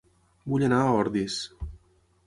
Vull anar a Ordis